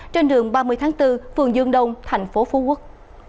trên đường ba mươi tháng bốn phường dương đông thành phố phú quốc